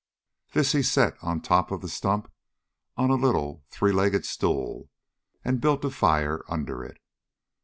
This he set on top of the stump on a little three legged stool, and built a fire under it.